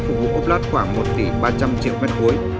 phục vụ ốp lát khoảng một tỷ ba trăm linh triệu mét khối